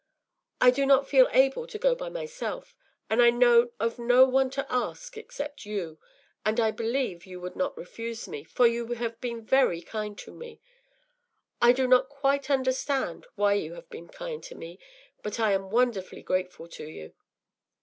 I do not feel able to go by myself, and I know of no one to ask except you; and I believed you would not refuse me, for you have been very kind to me. I do not quite understand why you have been kind to me, but I am wonderfully grateful to you.